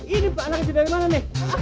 ini anak kecil dari mana nih